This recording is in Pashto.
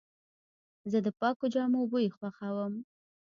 زه د پاکو جامو بوی خوښوم.